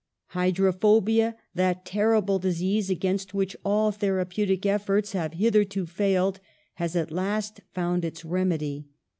"Hydrophobia, that terrible disease against which all therapeutic efforts have hitherto failed, has at last found its remedy.